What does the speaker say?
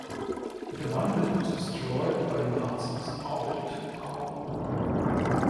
The monument was destroyed by the Nazis after they took power.